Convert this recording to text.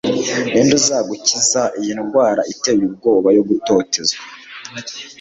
ninde uzagukiza iyi ndwara iteye ubwoba yo gutotezwa